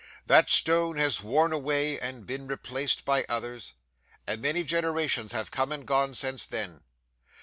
'That stone has worn away and been replaced by others, and many generations have come and gone since then.